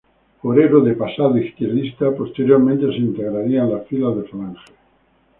Obrero de pasado izquierdista, posteriormente se integraría en las filas de Falange.